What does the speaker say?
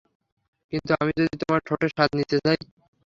কিন্তু আমি যদি তোমার ঠোঁটের স্বাদ নিতে চাই?